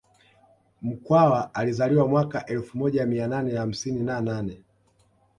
Mkwawa alizaliwa mwaka wa elfu moja mia nane hamsini na nane